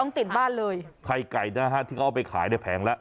ติดบ้านเลยไข่ไก่นะฮะที่เขาเอาไปขายในแผงแล้ว